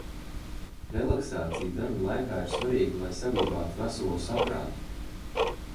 Relaksācija darba laikā ir svarīga, lai saglabātu veselo saprātu.